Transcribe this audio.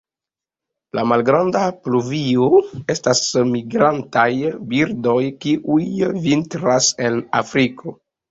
La Malgranda pluvio estas migrantaj birdoj kiuj vintras en Afriko.